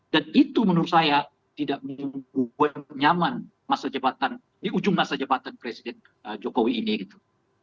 itu menurut saya tidak membuat nyaman masa jabatan di ujung masa jabatan presiden jokowi ini gitu